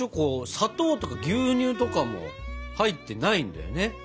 砂糖とか牛乳とかも入ってないんだよね。